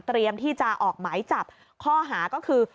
ที่จะออกหมายจับข้อหาก็คือ